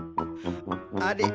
あれ？